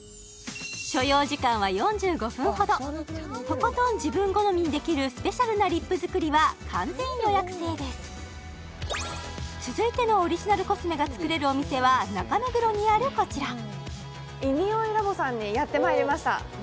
所要時間は４５分ほどとことん自分好みにできるスペシャルなリップ作りは完全予約制です続いてのオリジナルコスメが作れるお店は中目黒にあるこちらｉｎｉｏｉＬａｂ．さんにやってまいりました